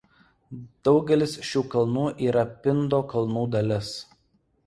Daugelis šių kalnų yra Pindo kalnų dalis.